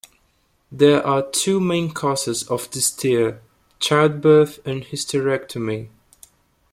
There are two main causes of this tear: childbirth, and hysterectomy.